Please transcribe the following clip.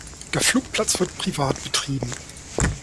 Der Flugplatz wird privat betrieben.